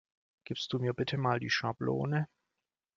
Gibst du mir bitte mal die Schablone?